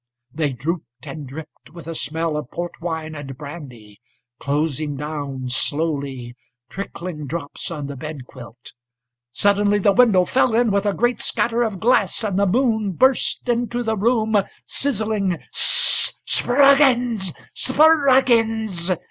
They drooped and drippedWith a smell of port wine and brandy, Closing down, slowly, Trickling drops on the bed quilt. Suddenly the window fell in with a great scatter of glass, And the moon burst into the room, Sizzling â âS s s s s â Spruggins! Spruggins!